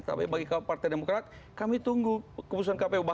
tapi bagi partai demokrat kami tunggu keputusan kpu